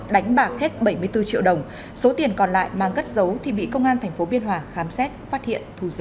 đánh bạc hết bảy mươi bốn triệu đồng số tiền còn lại mang gất dấu thì bị công an tp biên hòa khám xét phát hiện thu giữ